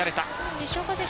西岡選手